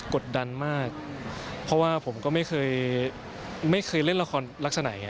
กดดันมากเพราะว่าผมก็ไม่เคยเล่นละครลักษณัย